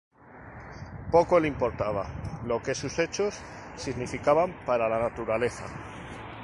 Poco le importaba lo que sus hechos significaban para la naturaleza.